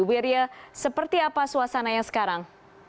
wirya seperti apa suasananya sekarang